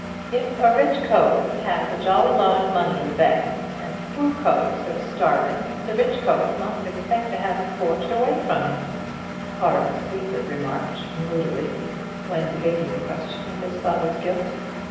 "If a rich cove has a jolly lot of money in the bank, and poor coves are starving, the rich cove must expect to have it forged away from him," Horace Sleaford remarked, moodily, when debating the question of his father's guilt.